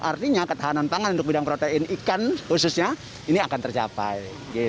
artinya ketahanan pangan untuk bidang protein ikan khususnya ini akan tercapai